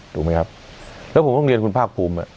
ถูกไหมครับแล้วผมต้องเรียนคุณภาคภูมิ